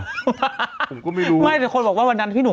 ไม่รู้ไม่รู้ไม่รู้ไม่รู้ไม่รู้ไม่รู้ไม่รู้ไม่รู้